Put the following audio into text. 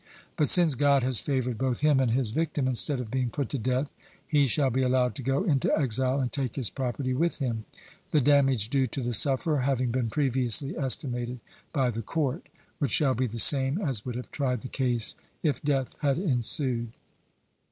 But since God has favoured both him and his victim, instead of being put to death, he shall be allowed to go into exile and take his property with him, the damage due to the sufferer having been previously estimated by the court, which shall be the same as would have tried the case if death had ensued.